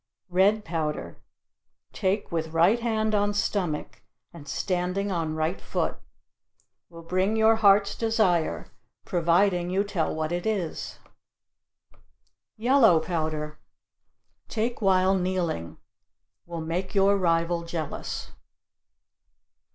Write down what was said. Red powder take with right hand on stomach and standing on right foot. Will bring your heart's desire, providing you tell what it is. Yellow powder take while kneeling. Will make your rival jealous.